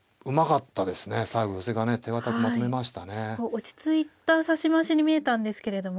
落ち着いた指し回しに見えたんですけれども。